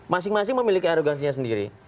masing masing memiliki arogansinya sendiri